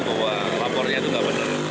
bahwa lapornya itu nggak benar